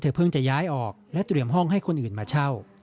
เพิ่งจะย้ายออกและเตรียมห้องให้คนอื่นมาเช่า